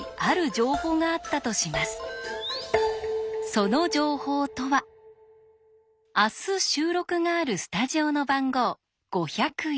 その情報とは明日収録があるスタジオの番号「５０１」。